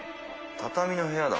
畳の部屋だ。